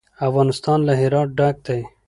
افغانستان له هرات ډک دی.